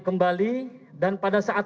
kembali dan pada saat